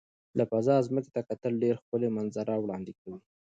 له فضا ځمکې ته کتل ډېر ښکلي منظره وړاندې کوي.